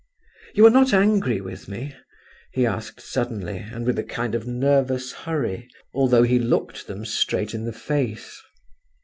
"You are not angry with me?" he asked suddenly, and with a kind of nervous hurry, although he looked them straight in the face.